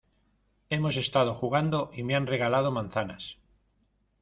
hemos estado jugando y me han regalado manzanas